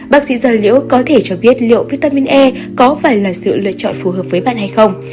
bác sĩ gia liễu có thể cho biết liệu vitamin e có phải là sự lựa chọn phù hợp với bạn hay không